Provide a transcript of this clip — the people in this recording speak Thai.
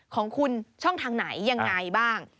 ของคุณช่องทางไหนยังไงบ้าง